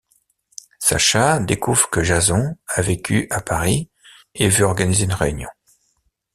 Sascha découvre que Jason a vécu à Paris et veut organiser une réunion.